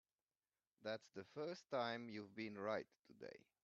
That's the first time you've been right today.